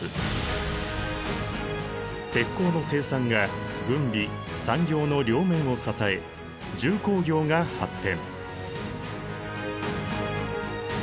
鉄鋼の生産が軍備・産業の両面を支え重工業が発展。